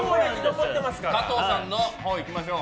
加藤さんのほうにいきましょう。